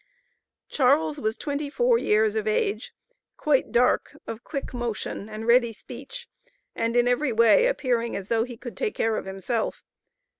Charles was twenty four years of age, quite dark, of quick motion, and ready speech, and in every way appearing as though he could take care of himself.